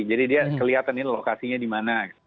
jadi dia kelihatan ini lokasinya di mana